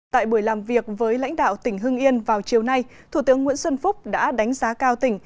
tại buổi làm việc với lãnh đạo tỉnh hưng yên vào chiều nay thủ tướng nguyễn xuân phúc đã đánh giá cao tỉnh